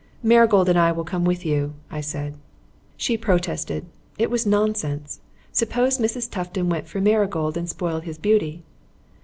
"Marigold and I will come with you," I said. She protested. It was nonsense. Suppose Mrs. Tufton went for Marigold and spoiled his beauty?